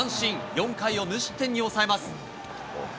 ４回を無失点に抑えます。